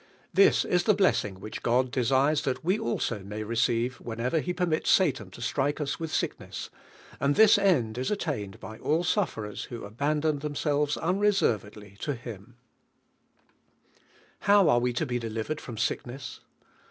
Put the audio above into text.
This is the blessing wliieli God de sires lhal we also may receive whenever He permits Satan to strike us with sick ness, and tliis end is attained by fill suf ferers who abandon themselves unreserv edly lo Him, How are we In he delivered from sick ness?